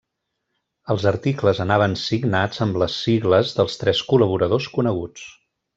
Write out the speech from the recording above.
Els articles anaven signats amb les sigles dels tres col·laboradors coneguts.